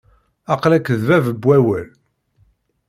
Aql-ak d bab n wawal.